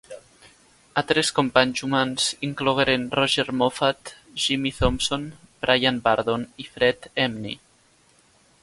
Altres companys humans inclogueren Roger Moffat, Jimmy Thompson, Bryan Burdon i Fred Emney.